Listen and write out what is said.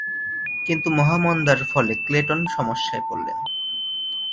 কিন্তু মহামন্দার ফলে ক্লেটন সমস্যায় পড়লেন।